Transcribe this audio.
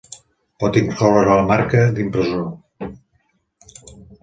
Pot incloure la marca d'impressor.